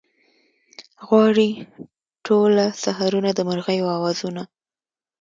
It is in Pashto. غواړي ټوله سحرونه د مرغیو اوازونه